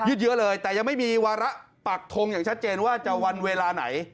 เยอะเลยแต่ยังไม่มีวาระปักทงอย่างชัดเจนว่าจะวันเวลาไหน